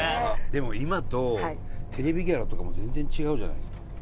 でも今とテレビギャラとかもう全然違うじゃないですか。